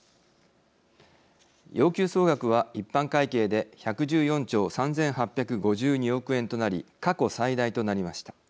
要求総額は一般会計で１１４兆３，８５２億円となり過去最大となりました。